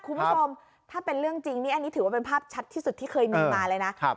คุณผู้ชมถ้าเป็นเรื่องจริงนี่อันนี้ถือว่าเป็นภาพชัดที่สุดที่เคยมีมาเลยนะ